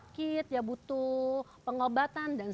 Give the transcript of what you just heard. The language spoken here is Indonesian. kucing kucing di sini juga butuh perawatan butuh pengobatan dan sebagainya